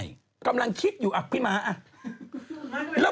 เวิร์ดตามกำลังคิดอยู่พี่หม้า